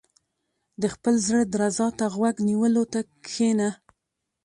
• د خپل زړۀ درزا ته غوږ نیولو ته کښېنه.